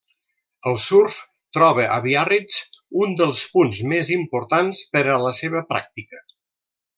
El surf troba a Biarritz un dels punts més importants per a la seva pràctica.